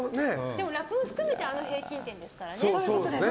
でも、ラップも含めてあの平均点ですからね。